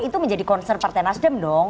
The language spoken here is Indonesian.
itu menjadi concern partai nasdem dong